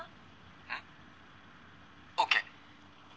うんＯＫ。